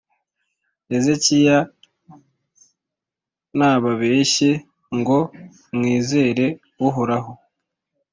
Hezekiya ntababeshye ngo mwizere Uhoraho,